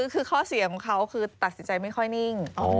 คือข้อเสียของเขาคือตัดสินใจไม่ค่อยนิ่ง